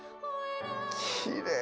きれい。